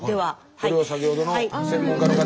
これを先ほどの専門家の方が。